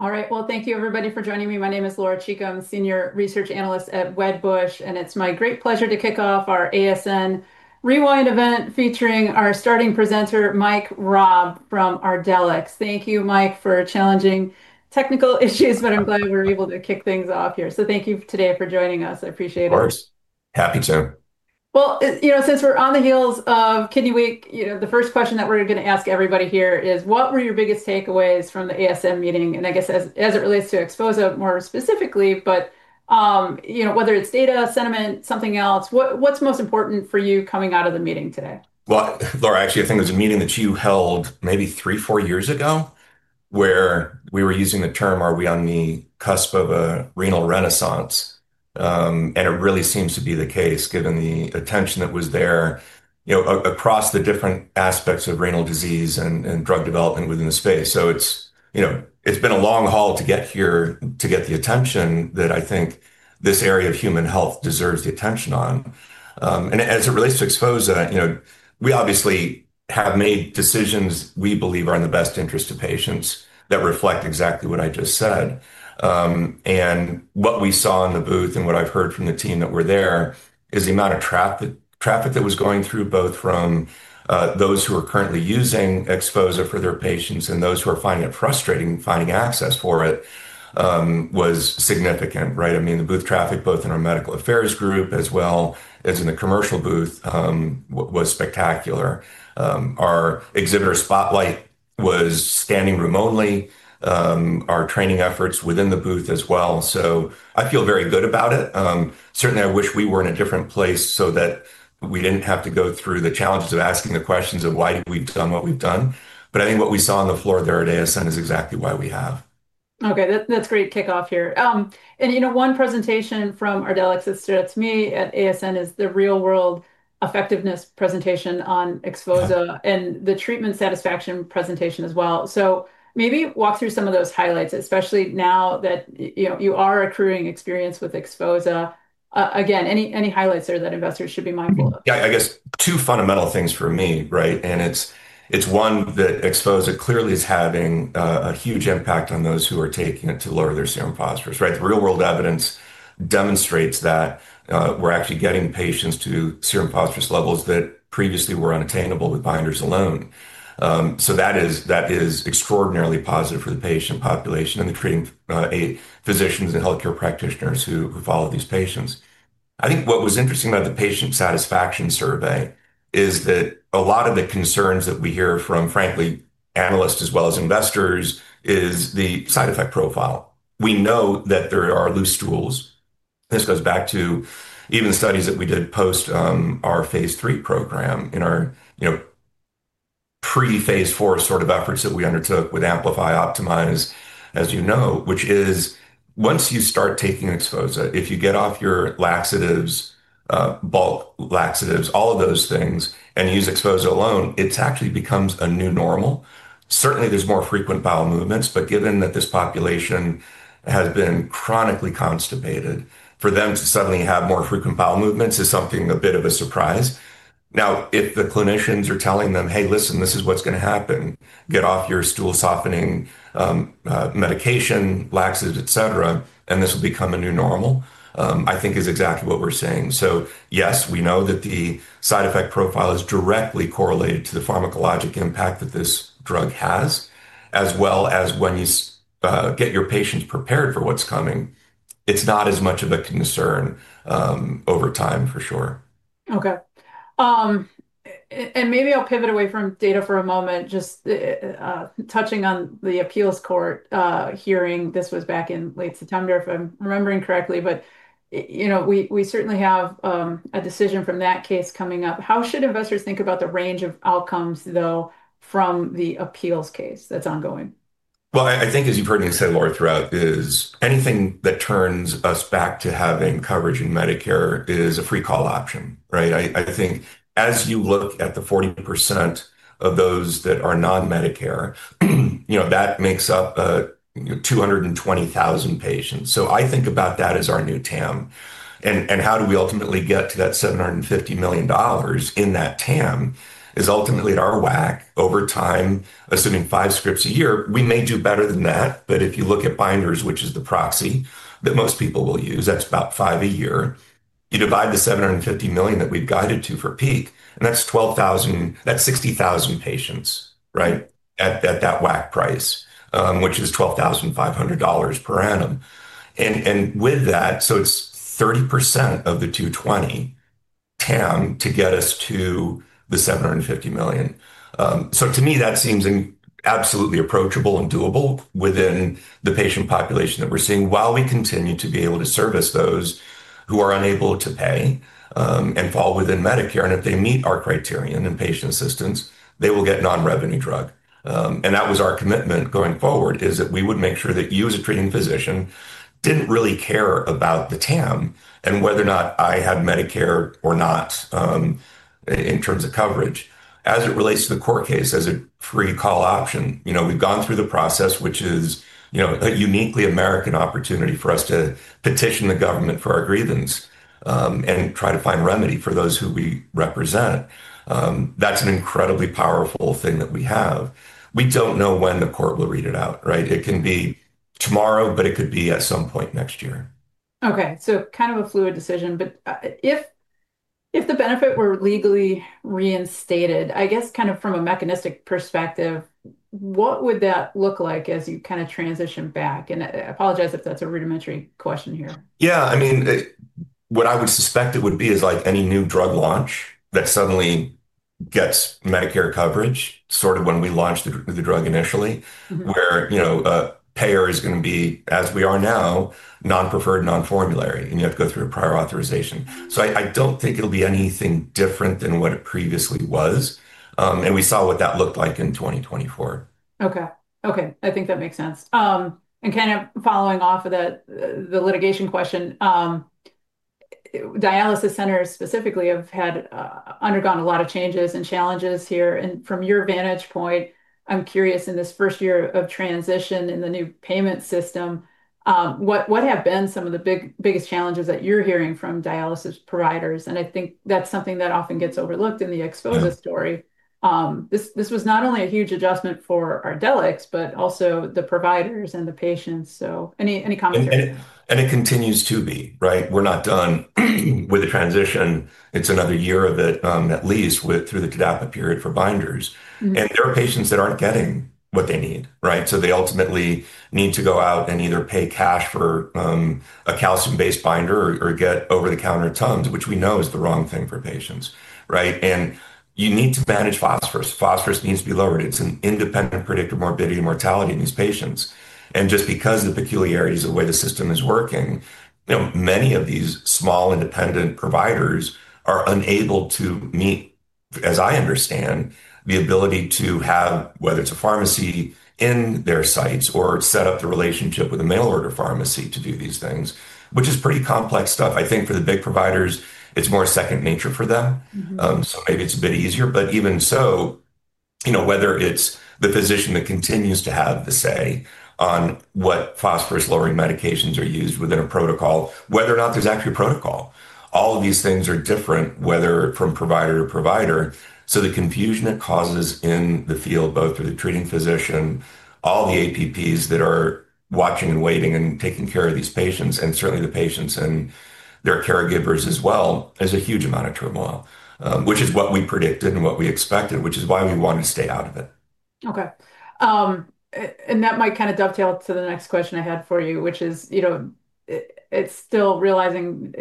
All right, thank you everybody for joining me. My name is Laura Chico, I'm a Senior Research Analyst at Wedbush. It is my great pleasure to kick off our ASN Rewind event featuring our starting presenter, Mike Raab from Ardelyx. Thank you, Mike, for challenging technical issues, but I'm glad we were able to kick things off here. Thank you today for joining us. I appreciate it. Of course. Happy to. You know, since we're on the heels of kidney week, the first question that we're going to ask everybody here is what were your biggest takeaways from the ASM meeting? I guess as it relates to XPHOZAH specifically, you know, whether it's data, sentiment, something else, what's most important for you coming out of the meeting today? Laura, actually, I think there's a meeting that you held maybe three, four years ago where we were using the term are we on the cusp of a renal renaissance? It really seems to be the case, given the attention that was there, you know, across the different aspects of renal disease and drug development within the space. It's, you know, it's been a long haul to get here to get the attention that I think this area of human health deserves the attention on. As it relates to XPHOZAH, you know, we obviously have made decisions we believe are in the best interest of patients that reflect exactly what I just said and what we saw in the booth and what I've heard from the team that were there is the amount of traffic that was going through, both from those who are currently using XPHOZAH for their patients and those who are finding it frustrating, finding access for it was significant. Right. I mean, the booth traffic, both in our medical affairs group as well as in the commercial booth, was spectacular. Our exhibitor spotlight was standing room only. Our training efforts within the booth as well. I feel very good about it. Certainly I wish we were in a different place so that we did not have to go through the challenges of asking the questions of why we have done what we have done. I think what we saw on the floor there at ASN is exactly why we have. Okay, that's great. Kickoff here. And you know, one presentation from Ardelyx that struck me at ASN is the real world effectiveness presentation on XPHOZAH and the treatment satisfaction presentation as well. So maybe walk through some of those highlights, especially now that, you know, you are accruing experience with XPHOZAH. Again, any highlights there that investors should be mindful of? Yeah, I guess two fundamental things for me. Right. And it's, it's one that XPHOZAH clearly is having a huge impact on those who are taking it to lower their serum phosphorus. Right. The real world evidence demonstrates that we're actually getting patients to serum phosphorus levels that previously were unattainable with binders alone. That is extraordinarily positive for the patient population and the treating physicians and healthcare practitioners who follow these patients. I think what was interesting about the patient satisfaction survey is that a lot of the concerns that we hear from, frankly, analysts as well as investors is the side effect profile. We know that there are loose stools. This goes back to even studies that we did post our phase III program in our pre-phase IV sort of efforts that we undertook with AMPLIFY, OPTIMIZE, as you know, which is once you start taking XPHOZAH, if you get off your laxatives, bulk laxatives, all of those things, and use XPHOZAH alone, it actually becomes a new normal. Certainly there's more frequent bowel movements, but given that this population has been chronically constipated, for them to suddenly have more frequent bowel movements is something a bit of a surprise. Now if the clinicians are telling them, hey, listen, this is what's going to happen, get off your stool softening medication, laxative, et cetera, and this will become a new normal, I think is exactly what we're saying. Yes, we know that the side effect profile is directly correlated to the pharmacologic impact that this drug has, as well as when you get your patients prepared for what's coming. It's not as much of a concern over time for sure. Okay, and maybe I'll pivot away from data for a moment. Just touching on the appeals court hearing. This was back in late September if I'm remembering correctly. You know, we certainly have a decision from that case coming up. How should investors think about the range of outcomes though from the appeals case that's ongoing? I think, as you've heard me say, Laura, throughout is anything that turns us back to having coverage in Medicare is a free call option. Right. I think as you look at the 40% of those that are non-Medicare, you know, that makes up 220,000 patients. So I think about that as our new TAM. And how do we ultimately get to that? $750 million in that TAM is ultimately at our WAC over time, assuming five scripts a year, we may do better than that. But if you look at binders, which is the proxy that most people will use, that's about five a year. You divide the $750 million that we've guided to for peak and that's 12,000, that's 60,000 patients at that WAC price, which is $12,500 per annum with that. So it's 30% of the 220,000 TAM to get us to the $750 million. To me that seems absolutely approachable and doable within the patient population that we're seeing while we continue to be able to service those who are unable to pay and fall within Medicare, and if they meet our criterion in patient assistance, they will get non revenue drug. That was our commitment going forward, is that we would make sure that you as a treating physician didn't really care about the TAM and whether or not I had Medicare or not in terms of coverage as it relates to the court case as a free call option. You know, we've gone through the process which is, you know, a uniquely American opportunity for us to petition the government for our grievance and try to find remedy for those who we represent. That's an incredibly powerful thing that we have. We don't know when the court will read it out. Right. It can be tomorrow, but it could be at some point next year. Okay, so kind of a fluid decision. If the benefit were legally reinstated, I guess, kind of from a mechanistic perspective, what would that look like as you kind of transition back? I apologize if that's a rudimentary question here. Yeah, I mean, what I would suspect it would be is like any new drug launch that suddenly gets Medicare coverage, sort of when we launched the drug initially, where, you know, payer is going to be, as we are now, non-preferred, non-formulary, and you have to go through a prior authorization. I do not think it will be anything different than what it previously was. We saw what that looked like in 2024. Okay, okay, I think that makes sense. Kind of following off of the litigation question, dialysis centers specifically have undergone a lot of changes and challenges here. From your vantage point, I'm curious, in this first year of transition in the new payment system, what have been some of the biggest challenges that you're hearing from dialysis providers? I think that's something that often gets overlooked in the exposure story. This was not only a huge adjustment for Ardelyx, but also the providers and the patients. Any comments? It continues to be right. We're not done with the transition. It's another year of it, at least through the TDAPA period for binders. There are patients that aren't getting what they need. They ultimately need to go out and either pay cash for a calcium-based binder or get over-the-counter Tums, which we know is the wrong thing for patients. You need to manage phosphorus. Phosphorus needs to be lowered. It's an independent predictor of morbidity and mortality in these patients. Just because of the peculiarities of the way the system is working, many of these small independent providers are unable to meet, as I understand, the ability to have, whether it's a pharmacy in their sites or set up the relationship with a mail order pharmacy to do these things, which is pretty complex stuff. I think for the big providers, it's more second nature for them. Maybe it's a bit easier. Even so, you know, whether it's the physician that continues to have the say on what phosphorus lowering medications are used within a protocol, whether or not there's actually a protocol, all of these things are different, whether from provider to provider. The confusion it causes in the field, both through the treating physician, all the apps that are watching and waiting and taking care of these patients, and certainly the patients and their caregivers as well, is a huge amount of turmoil, which is what we predicted and what we expected, which is why we wanted to stay out of it. Okay. That might kind of dovetail to the next question I had for you, which is, you know, it's still realizing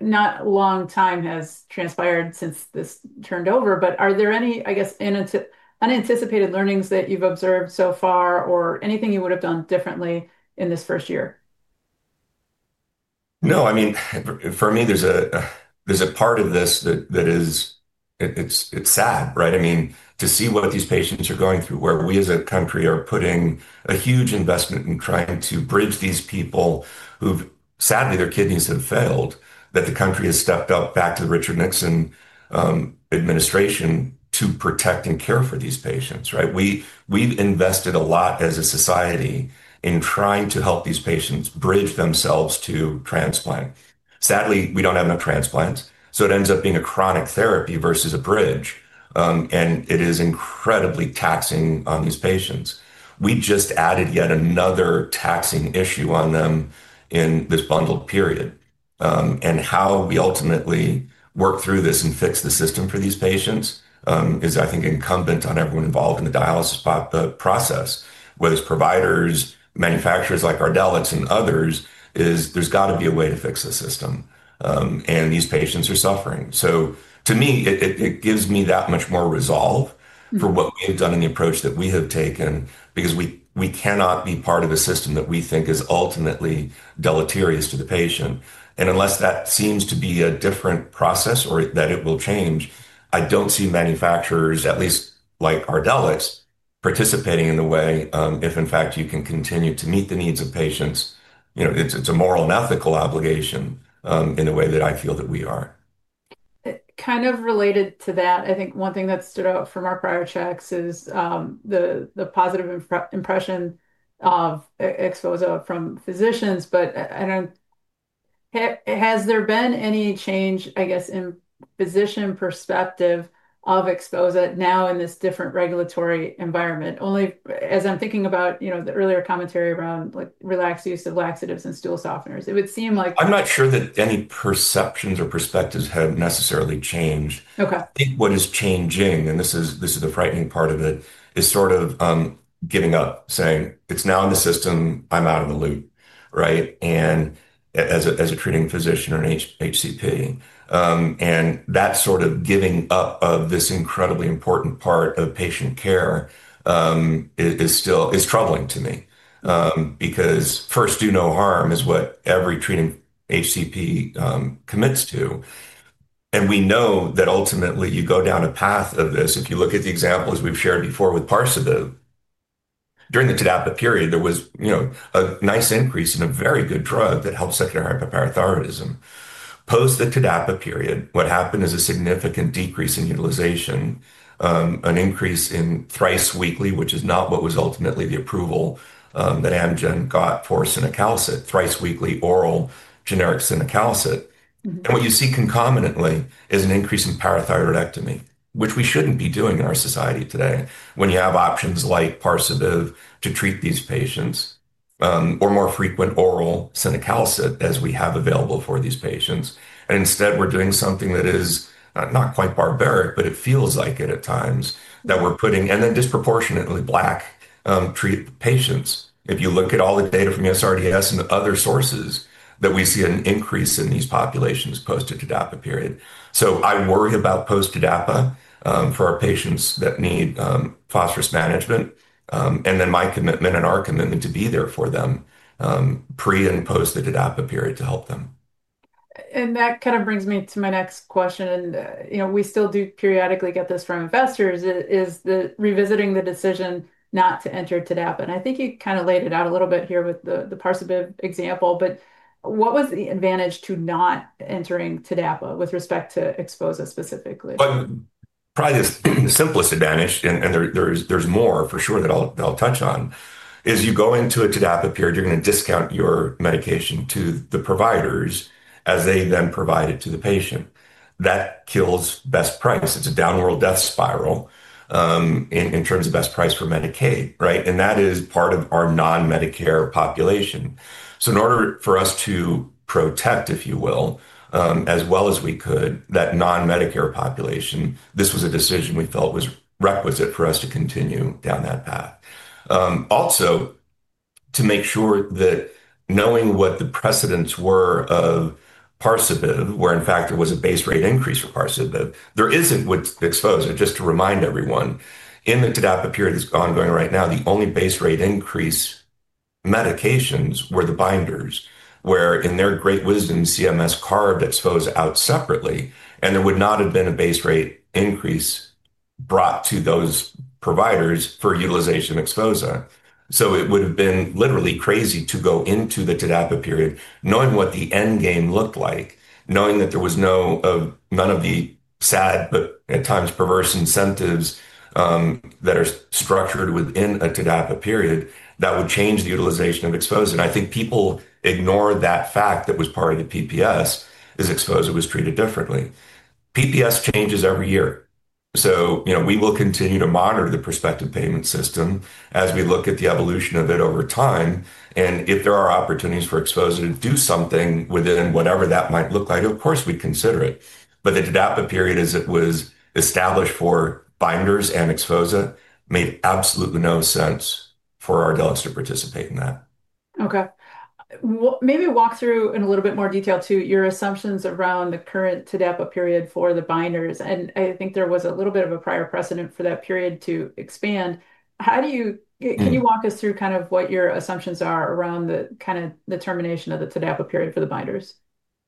not long time has transpired since this turned over. Are there any, I guess, unanticipated learnings that you've observed so far or anything you would have done differently in this first year? No. I mean, for me, there's a part of this that is. It's sad, right? I mean, to see what these patients are going through, where we as a country are putting a huge investment in trying to bridge these people who've sadly, their kidneys have failed, that the country has stepped up back to the Richard Nixon administration to protect and care for these patients. Right. We, we've invested a lot as a society in trying to help these patients bridge themselves to transplant. Sadly, we don't have enough transplants. It ends up being a chronic therapy versus a bridge. It is incredibly taxing on these patients. We just added yet another taxing issue on them in this bundled period. How we ultimately work through this and fix the system for these patients is, I think, incumbent on everyone involved in the dialysis process, whether it's providers, manufacturers like Ardelyx and others. There has got to be a way to fix the system and these patients are suffering. To me, it gives me that much more resolve for what we've done in the approach that we have taken, because we cannot be part of a system that we think is ultimately deleterious to the patient. Unless that seems to be a different process or that it will change, I don't see manufacturers, at least like Ardelyx, participating in the way if in fact you can continue to meet the needs of patients. You know, it's a moral and ethical obligation in a way that I feel. That we are kind of related to that. I think one thing that stood out from our prior checks is the positive impression of XPHOZAH from physicians. Has there been any change, I guess, in physician perspective of XPHOZAH now in this different regulatory environment? Only as I'm thinking about the earlier commentary around relaxed use of laxatives and stool softeners, it would seem like I'm Not sure that any perceptions or perspectives have necessarily changed. Okay, what is changing, and this is, this is the frightening part of it, is sort of giving up, saying it's now in the system, I'm out of the loop. Right. And as a treating physician or HCP, and that sort of giving up of this incredibly important part of patient care is still, is troubling to me because first, do no harm is what every treating HCP commits to. And we know that ultimately you go down a path of this. If you look at the examples we've shared before with Parsabiv, during the TDAPA period, there was, you know, a nice increase in a very good drug that helps secondary hyperparathyroidism. Post the TDAPA period. What happened is a significant decrease in utilization, an increase in thrice weekly, which is not what was ultimately the approval that Amgen got for Cinacalcet thrice weekly oral generic Cinacalcet. What you see concomitantly is an increase in parathyroidectomy, which we shouldn't be doing in our society today when you have options like Parsabiv to treat these patients or more frequent oral Cinacalcet as we have available for these patients. Instead we're doing something that is not quite barbaric, but it feels like it at times that we're putting and then disproportionately Black treat patients. If you look at all the data from SRDS and other sources that we see an increase in these populations post TDAPA period. I worry about post TDAPA for our patients that need phosphorus management. My commitment and our commitment to be there for them pre and post the TDAPA period to help them. That kind of brings me to my next question, and you know, we still do periodically get this from investors, is that revisiting the decision not to enter TDAPA, and I think you kind of laid it out a little bit here with the Parsabiv example. What was the advantage to not entering TDAPA with respect to XPHOZAH specifically? Probably the simplest advantage, and there's more for sure that I'll touch on, is you go into a TDAPA period, you're going to discount your medication to the providers as they then provide it to the patient. That kills best price. It's a downward death spiral in terms of best price for Medicaid. Right. And that is part of our non-Medicare population. In order for us to protect, if you will, as well as we could, that non-Medicare population, this was a decision we felt was requisite for us to continue down that path. Also to make sure that knowing what the precedents were of Parsabiv, where in fact there was a base rate increase for Parsabiv, there isn't with XPHOZAH. Just to remind everyone, in the TDAPA period that's ongoing right now, the only base rate increase medications were the binders where in their great wisdom, CMS carved XPHOZAH out separately and there would not have been a base rate increase brought to those providers for utilization of XPHOZAH. It would have been literally crazy to go into the TDAPA period knowing what the end game looked like, knowing that there was none of the sad but at times perverse incentives that are structured within a TDAPA period that would change the utilization of XPHOZAH. I think people ignore that fact. That was part of the PPS as XPHOZAH was treated differently, PPS changes every year. You know, we will continue to monitor the prospective payment system as we look at the evolution of it over time and if there are opportunities for exposure to do something within whatever that might look like, of course we consider it. The TDAPA period as it was established for binders and XPHOZAH made absolutely no sense for Ardelyx to participate in that. Okay, maybe walk through in a little bit more detail your assumptions around the current TDAPA period for the binders. I think there was a little bit of a prior precedent for that period to expand. Can you walk us through what your assumptions are around the termination of the TDAPA period for the binders?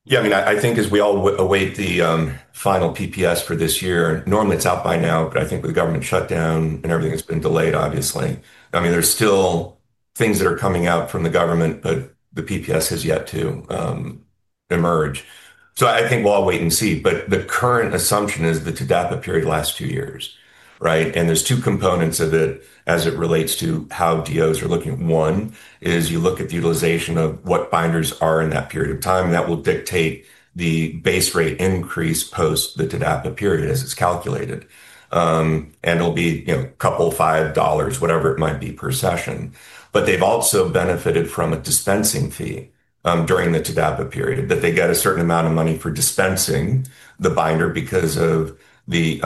Yeah, I mean, I think as we all await the final PPS for this year, normally it's out by now, but I think with the government shutdown and everything that's been delayed, obviously, I mean there's still things that are coming out from the government, but the PPS has yet to emerge. I think we'll all wait and see. The current assumption is the TDAPA period lasts two years. Right. There's two components of it as it relates to how DOs are looking at. One is you look at the utilization of what binders are in that period of time that will dictate the base rate increase post the TDAPA period as it's calculated and it'll be, you know, couple five dollars, whatever it might be per session. They've also benefited from a dispensing fee during the TDAPA period that they get a certain amount of money for dispensing the binder because of the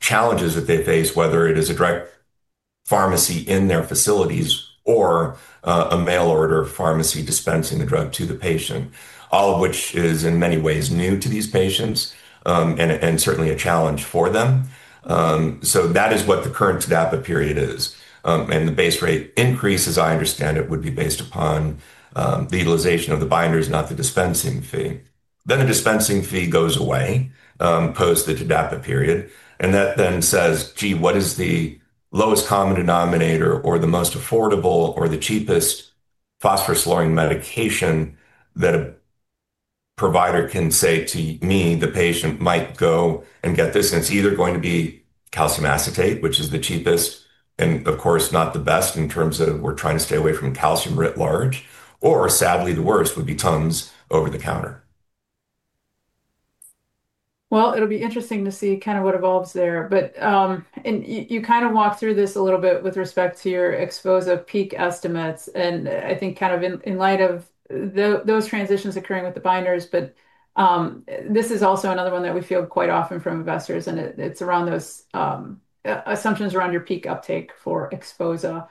challenges that they face, whether it is a direct pharmacy in their facilities or a mail order pharmacy dispensing the drug to the patient, all of which is in many ways new to these patients and certainly a challenge for them. That is what the current TDAPA period is. The base rate increase, as I understand it, would be based upon the utilization of the binders, not the dispensing fee. The dispensing fee goes away post the TDAPA period. That then says, gee, what is the lowest common denominator or the most affordable or the cheapest phosphorus lowering medication that a provider can say to me, the patient might go and get this and it's either going to be calcium acetate, which is the cheapest and of course not the best in terms of we're trying to stay away from calcium writ large or sadly the worst would be Tums over the counter. It will be interesting to see kind of what evolves there. You kind of walk through this a little bit with respect to your XPHOZAH peak estimates and I think kind of in light of those transitions occurring with the binders, but this is also another one that we feel quite often from investors and it is around those assumptions around your peak uptake for XPHOZAH.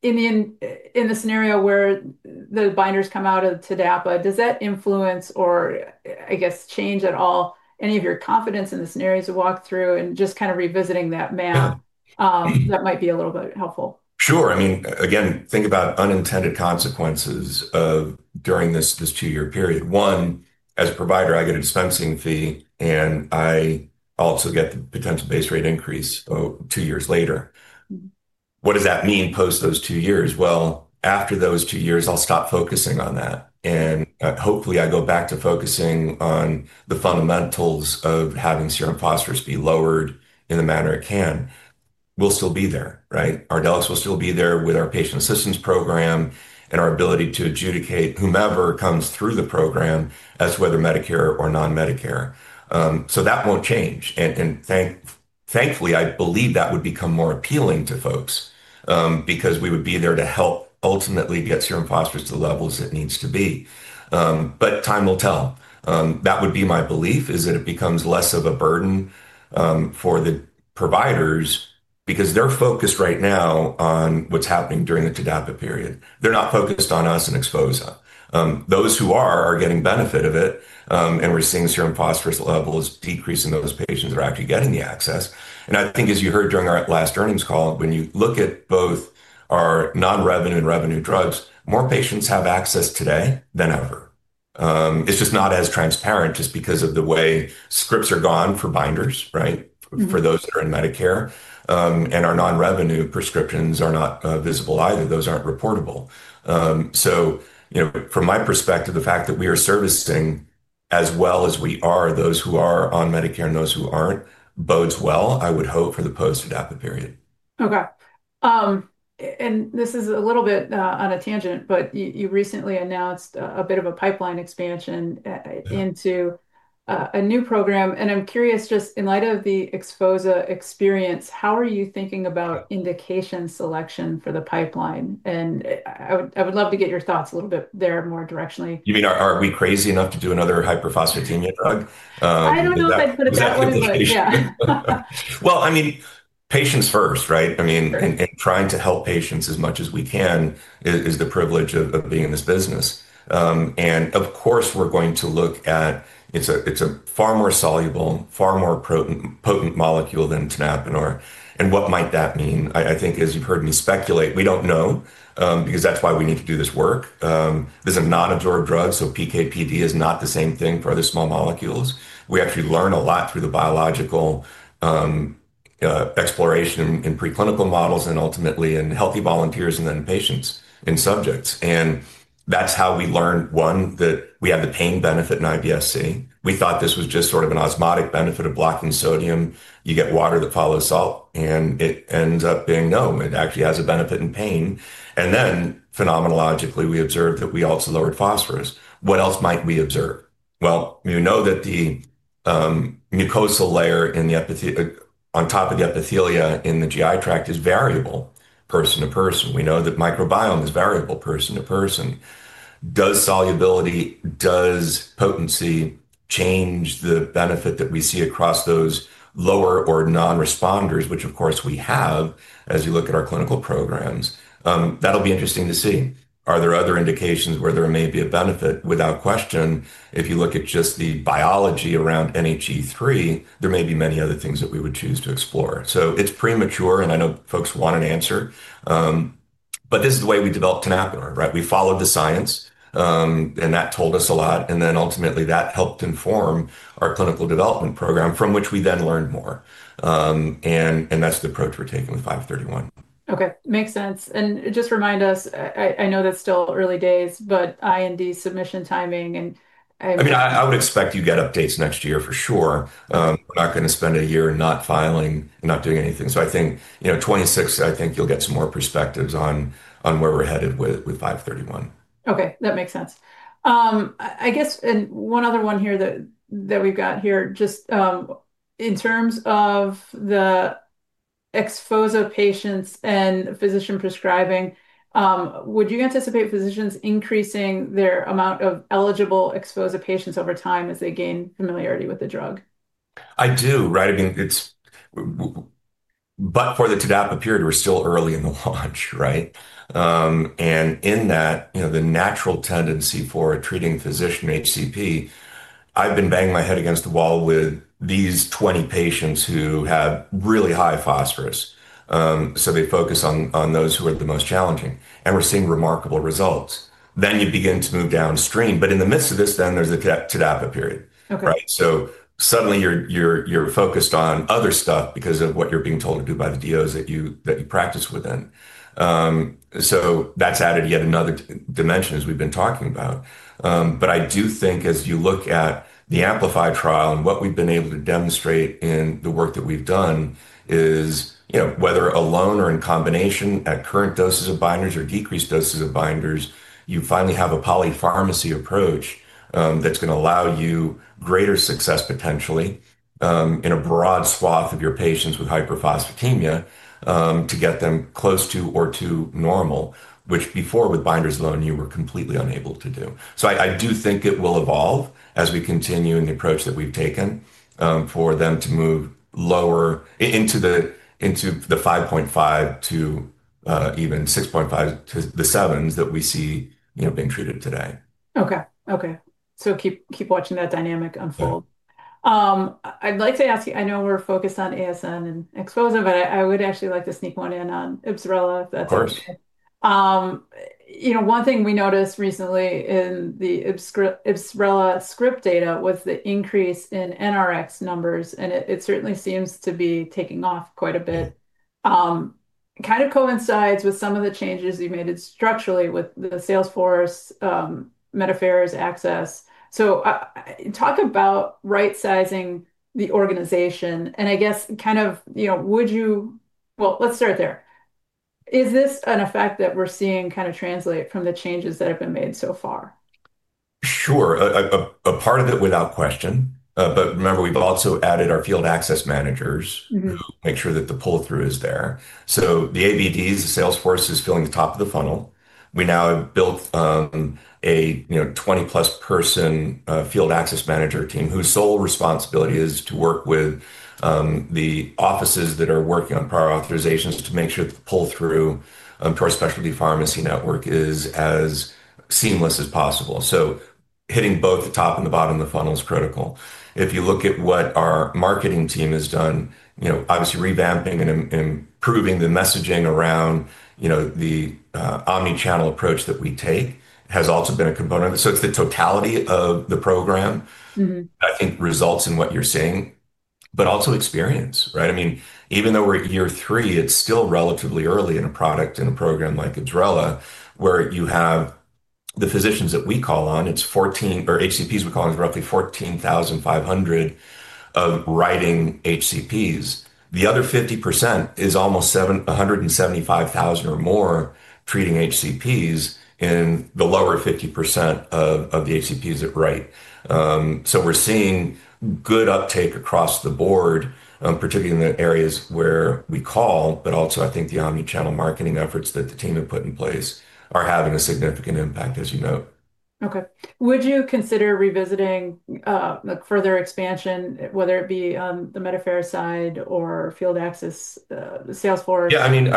In the scenario where the binders come out of TDAPA, does that influence or I guess change at all any of your confidence in the scenarios you walk through and just kind of revisiting that map? That might be a little bit helpful? Sure. I mean again, think about unintended consequences of during this, this two year period. One, as a provider I get a dispensing fee and I also get the potential base rate increase two years later. What does that mean post those two years? After those two years I'll stop focusing on that and hopefully I go back to focusing on the fundamentals of having serum phosphorus be lowered in the manner it can. We'll still be there, right? Ardelyx will still be there with our patient assistance program and our ability to adjudicate whomever comes through the program as whether Medicare or non-Medicare. That won't change and thank you. Thankfully I believe that would become more appealing to folks because we would be there to help ultimately get serum phosphorus to the levels it needs to be. Time will tell. That would be my belief is that it becomes less of a burden for the providers because they're focused right now on what's happening during the TDAPA period. They're not focused on us and XPHOZAH. Those who are are getting benefit of it and we're seeing serum phosphorus levels decreasing. Those patients are actually getting the access. I think as you heard during our last earnings call, when you look at both our non-revenue and revenue drugs, more patients have access today than ever. It's just not as transparent just because of the way scripts are gone for binders. Right. For those that are in Medicare and our non-revenue prescriptions are not visible either. Those aren't reportable. From my perspective, the fact that we are servicing as well as we are those who are on Medicare and those who are not bodes well, I would hope, for the post adaptive period. Okay, this is a little bit on a tangent but you recently announced a bit of a pipeline expansion into a new program. I'm curious just in light of the XPHOZAH experience, how are you thinking about indication selection for the pipeline? I would love to get your thoughts a little bit there more directionally. You mean are we crazy enough to do another hyperphosphatemia drug? I don't know if I'd put it that way. Yeah, I mean patients first, right? I mean trying to help patients as much as we can is the privilege of being in this business. Of course we're going to look at it. It's a far more soluble, far more potent molecule than Tenapanor. What might that mean? I think as you've heard me speculate, we don't know because that's why we need to do this work. This is a non-absorbed drug so PKPD is not the same thing for other small molecules. We actually learn a lot through the biological exploration in preclinical models and ultimately in healthy volunteers and then patients in subjects. That's how we learned, one, that we have the pain benefit in IBS-C. We thought this was just sort of an osmotic benefit of blocking sodium. You get water that follows salt and it ends up being. No, it actually has a benefit in pain. And then phenomenologically, we observe that we also lowered phosphorus. What else might we observe? You know that the mucosal layer in the epithelial on top of the epithelia in the GI tract is variable person to person. We know that microbiome is variable person to person. Does solubility, does potency change the benefit that we see across those lower or non responders, which of course we have. As you look at our clinical programs, that'll be interesting to see. Are there other indications where there may be a benefit? Without question. If you look at just the biology around NHE3, there may be many other things that we would choose to explore. It's premature and I know folks want an answer, but this is the way we developed Tenapanor. We followed the science and that told us a lot. Ultimately, that helped inform our clinical development program from which we then learned more. That's the approach we're taking with 531. Okay, makes sense. Just remind us, I know that's still early days, but IND submission timing? I mean, I would expect you get updates next year for sure. We're not going to spend a year not filing, not doing anything. I think, you know, 2026, I think you'll get some more perspectives on where we're headed with 531. Okay, that makes sense, I guess. One other one here that we've got here. Just in terms of the exposure patients and physician prescribing, would you anticipate physicians increasing their amount of eligible exposure patients over time as they gain familiarity with the drug? I do. Right. I mean, it's. For the TDAPA period, we're still early in the launch. Right. In that, you know, the natural tendency for a treating physician, HCP. I've been banging my head against the wall with these 20 patients who have really high phosphorus. They focus on those who are the most challenging and we're seeing remarkable results. You begin to move downstream. In the midst of this, there's a TDAPA period. Suddenly you're focused on other stuff because of what you're being told to do by the DOs that you practice within. That's added yet another dimension as we've been talking about. I do think as you look at the AMPLIFY trial and what we've been able to demonstrate in the work that we've done is whether alone or in combination at current doses of binders or decreased doses of binders, you finally have a polypharmacy approach that's going to allow you greater success potentially in a broad swath of your patients with hyperphosphatemia to get them close to or to normal, which before with binders alone you were completely unable to do. I do think it will evolve as we continue in the approach that we've taken for them to move lower into the, into the 5.5-6.5 to the sevens that we see being treated today. Okay. Okay. So keep watching that dynamic unfold. I'd like to ask you, I know we're focused on ASN and XPHOZAH, but I would actually like to sneak one in on IBSRELA. Of course. You know, one thing we noticed recently in the IBSRELA script data was the increase in NRX numbers. And it certainly seems to be taking off quite a bit. Kind of coincides with some of the changes you made structurally with the Salesforce, MetaPhairs access. So talk about right-sizing the organization, and I guess kind of, you know, would you. Well, let's start there. Is this an effect that we're seeing kind of translate from the changes that have been made so far? Sure. A part of it, without question. Remember, we've also added our field access managers who make sure that the pull through is there. The ABDS salesforce is filling the top of the funnel. We now have built a 20-plus person field access manager team whose sole responsibility is to work with the offices that are working on prior authorizations to make sure the pull through to our specialty pharmacy network is as seamless as possible. Hitting both the top and the bottom of the funnel is critical. If you look at what our marketing team has done, obviously revamping and improving the messaging around the omnichannel approach that we take has also been a component. It is the totality of the program, I think, that results in what you're saying, but also experience. I mean, even though we're at year three, it's still relatively early in a product. In a program like IBSRELA, where you have the physicians that we call on, it's 14 or HCPs we call on is roughly 14,500 of writing HCPs. The other 50% is almost 175,000 or more treating HCPs in the lower 50% of the HCPs that write. We're seeing good uptake across the board, particularly in the areas where we call. I think the omnichannel marketing efforts that the team have put in place are having a significant impact, as you note. Okay. Would you consider revisiting further expansion whether it be on the medaffair side or Field Access Salesforce? Yeah, I mean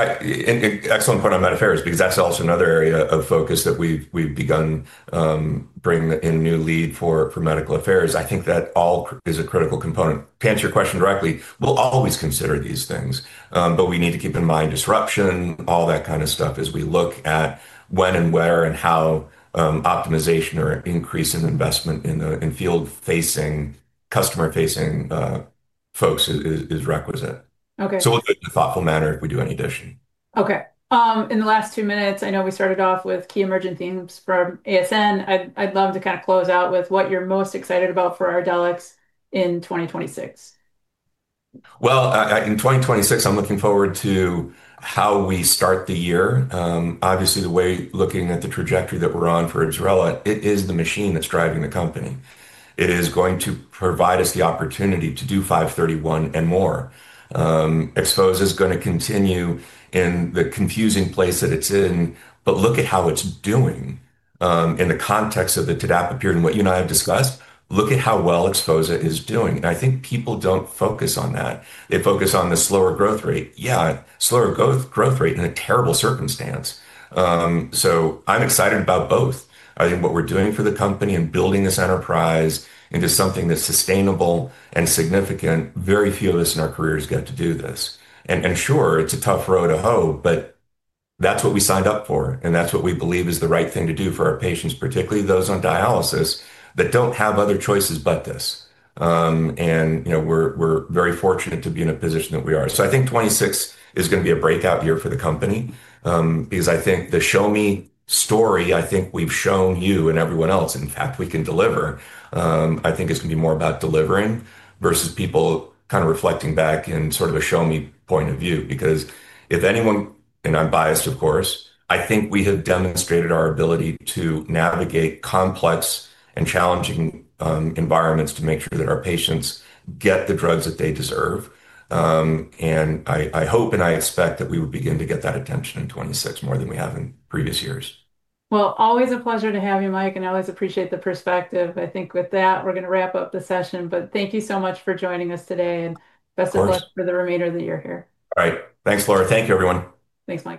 excellent point on medaffairs because that's also another area of focus that we've begun to bring in new lead for, for Medical Affairs. I think that all is a critical component. To answer your question directly, we'll always consider these things but we need to keep in mind disruption, all that kind of stuff as we look at when and where and how optimization or increase in investment in the in field facing, customer facing folks is requisite. Okay. We'll do it in a thoughtful manner if we do any addition. Okay. In the last two minutes I know we started off with key emergent themes from ASN. I'd love to kind of close out with what you're most excited about for Ardelyx in 2026. In 2026 I'm looking forward to how we start the year. Obviously the way looking at the trajectory that we're on for IBSRELA, it is the machine that's driving the company. It is going to provide us the opportunity to do 531 and more exposure is going to continue in the confusing place that it's in. Look at how it's doing in the context of the TDAPA period and what you and I have discussed. Look at how well XPHOZAH is doing and I think people don't focus on that. They focus on the slower growth rate. Yeah, slower growth. Growth rate in a terrible circumstance. I am excited about both. I think what we're doing for the company and building this enterprise into something that's sustainable and significant. Very few of us in our careers get to do this and sure it's a tough road to hoe, but that's what we signed up for and that's what we believe is the right thing to do for our patients, particularly those on dialysis that don't have other choices but this. You know we're very fortunate to be in a position that we are. I think 2026 is going to be a breakout year for the company because I think the show me story, I think we've shown you and everyone else, in fact, we can deliver. I think it's going to be more about delivering versus people kind of reflecting back in sort of a show me point of view because if anyone, and I'm biased, of course, I think we have demonstrated our ability to navigate complex and challenging environments to make sure that our patients get the drugs that they deserve. I hope and I expect that we will begin to get that attention in 2026 more than we have in previous years. Always a pleasure to have you, Mike, and I always appreciate the perspective. I think with that, we're going to wrap up the session, but thank you so much for joining us today and best of luck for the remainder that you're here. All right. Thanks, Laura. Thank you, everyone. Thanks, Mike.